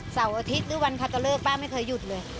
เสาร์อาทิตย์หรือวันพระจะเลิกป้าไม่เคยหยุดเลย